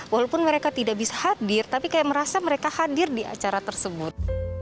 walaupun mereka tidak bisa hadir tapi kayak merasa mereka hadir di acara tersebut